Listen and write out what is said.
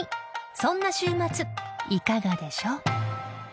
［そんな週末いかがでしょう？］